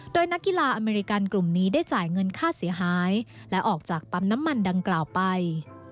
โดยนักกีฬาอเมริกันกลุ่มนี้ได้จ่ายเงินค่าเสียหายและออกจากปั๊มน้ำมันดังกล่าวไป